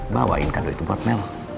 bawain kado itu buat mel